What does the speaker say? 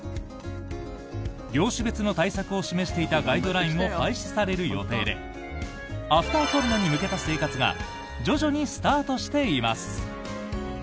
業種別の対策を示していたガイドラインも廃止される予定でアフターコロナに向けた生活が徐々にスタートしています。